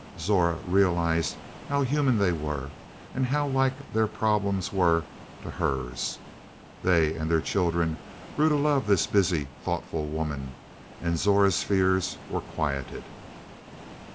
Zora realized how human they were, and how like their problems were to hers. They and their children grew to love this busy, thoughtful woman, and Zora's fears were quieted.